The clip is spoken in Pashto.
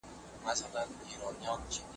د بل تخريب کول ښه کار نه دی.